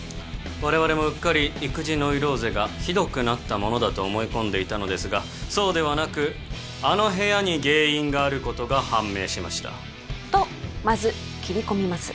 我々もうっかり育児ノイローゼがひどくなったものだと思い込んでいたのですがそうではなくあの部屋に原因があることが判明しましたとまず切り込みます